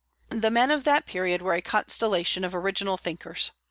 The men of that period were a constellation of original thinkers.